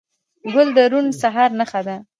ګل د روڼ سهار نښه ده.